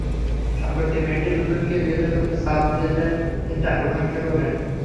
সম্প্রতি মেয়েটি টুটুলকে বিয়ের জন্য চাপ দিলে তিনি টালবাহানা শুরু করেন।